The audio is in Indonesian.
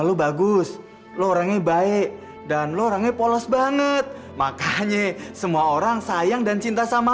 lo bagus lo orangnya baik dan lo orangnya polos banget makanya semua orang sayang dan cinta sama